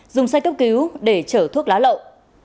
dùng xe cấp cứu để chở thuốc lá lậu